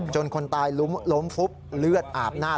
คนตายล้มฟุบเลือดอาบหน้า